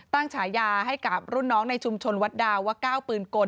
ตั้งฉายาให้กับรุ่นน้องในชุมชนวัดดาวน์ว่าเก้าปืนกล